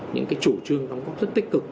những cái chủ trương đóng góp rất tích cực